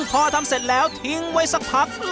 พอทำเสร็จแล้วทิ้งไว้สักพัก